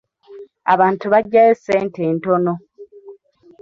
Abantu bagyayo ssente ntono.